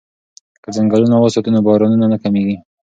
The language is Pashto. که ځنګلونه وساتو نو بارانونه نه کمیږي.